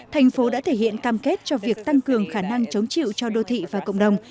thành phố đã thể hiện cam kết cho việc tăng cường khả năng chống chịu cho đô thị và cộng đồng